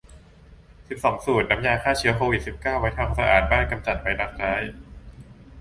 สิบสอง สูตรทำน้ำยาฆ่าเชื้อโควิด สิบเก้า ไว้ทำความสะอาดบ้านกำจัดไวรัสร้าย